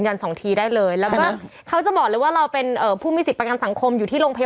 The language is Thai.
ไม่ใช่เป็นพรีเซนเตอร์นะเนี่ย